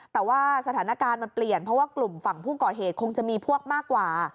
แต่ว่าสถานการณ์มันเปลี่ยนเพราะว่ากลุ่มฝั่งผู้ก่อเหตุคงจะมีพวกมากกว่า